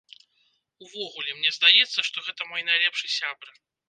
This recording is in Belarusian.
Увогуле, мне здаецца, што гэта мой найлепшы сябра!